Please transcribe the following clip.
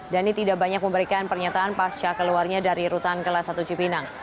dhani tidak banyak memberikan pernyataan pasca keluarnya dari rutan kelas satu cipinang